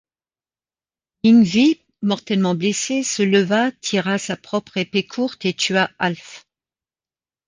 Yngvi, mortellement blessé, se leva, tira sa propre épée courte et tua Alf.